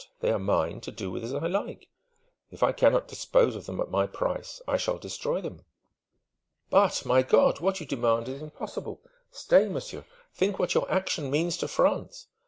They are mine, to do with as I like. If I cannot dispose of them at my price, I shall destroy them!" "But my God! what you demand is impossible! Stay, monsieur! Think what your action means to France!"